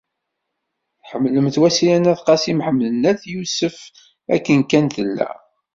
Tḥemmlemt Wasila n Qasi Mḥemmed n At Yusef akken kan tella.